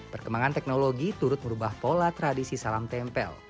perkembangan teknologi turut merubah pola tradisi salam tempel